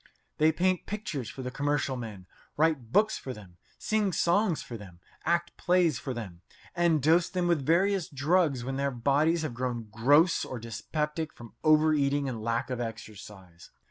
They paint pictures for the commercial men, write books for them, sing songs for them, act plays for them, and dose them with various drugs when their bodies have grown gross or dyspeptic from overeating and lack of exercise.